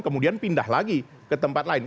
kemudian pindah lagi ke tempat lain